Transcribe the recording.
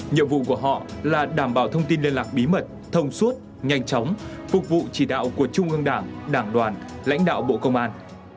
nhiệm vụ của họ là đảm bảo thông tin liên lạc bí mật thông suốt nhanh chóng phục vụ chỉ đạo của trung ương đảng đảng đoàn lãnh đạo bộ công an